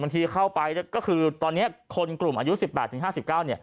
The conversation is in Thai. ที่เข้าไปก็คือตอนนี้คนกลุ่มอายุ๑๘๕๙เนี่ย